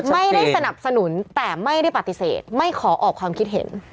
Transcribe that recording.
ไม่ได้สนับสนุนแต่ไม่ได้ปฏิเสธไม่ขอออกความคิดเห็น